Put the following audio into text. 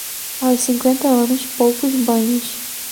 Aos cinquenta anos, poucos banhos.